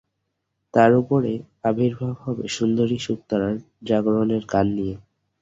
তার উপরে আবির্ভাব হবে সুন্দরী শুকতারার, জাগরণের গান নিয়ে।